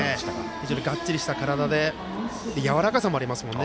非常にがっちりした体でやわらかさもありますからね。